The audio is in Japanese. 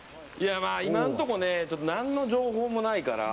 今のところ、何の情報もないから。